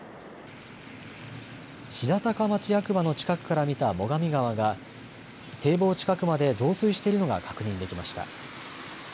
白鷹町役場の近くから見た最上川が堤防近くまで増水しているのが確認できました。